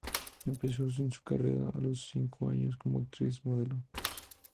Empezó su carrera a los cinco años como actriz modelo.